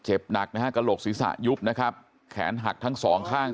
เจ็บหนักกระโหลกศีรษะยุบแขนหักทั้งสองข้าง